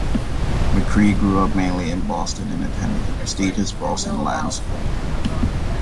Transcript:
McCree grew up mainly in Boston, and attended the prestigious Boston Latin School.